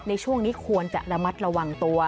ในช่วงนี้ควรจะระมัดระวังตัว